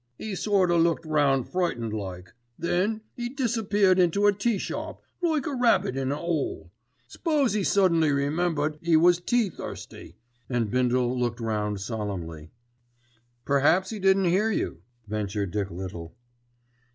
'E sort o' looked round frightened like, then 'e disappeared into a teashop like a rabbit in an 'ole. S'pose 'e suddenly remembered 'e was tea thirsty," and Bindle looked round solemnly. "Perhaps he didn't hear you," ventured Dick Little.